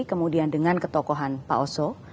kemudian dengan ketokohan pak oso